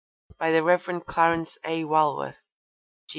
By the Rev. Clarence A. Walworth.